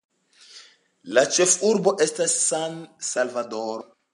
La ĉefurbo estas San-Salvadoro.